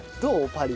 パリ。